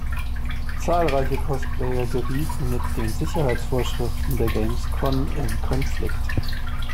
Zahlreiche Cosplayer gerieten mit den Sicherheitsvorschriften der Gamescom in Konflikt.